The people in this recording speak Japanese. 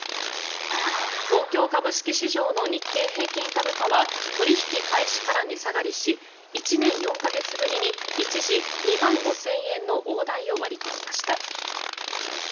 東京株式市場の日経平均株価は取引開始から値下がりし１年４か月ぶりに一時、２万５０００円の大台を割り込みました。